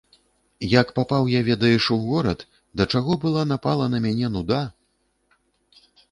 Як папаў я, ведаеш, у горад, да чаго была напала на мяне нуда.